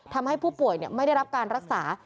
ทำให้ผู้ป่วยไม่ได้รับการรักษา